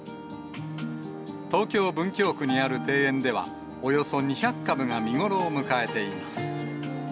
東京・文京区にある庭園では、およそ２００株が見頃を迎えています。